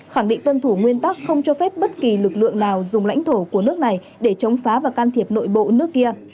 khẳng định tuân thủ nguyên tắc không cho phép bất kỳ lực lượng nào dùng lãnh thổ của nước này để chống phá và can thiệp nội bộ nước kia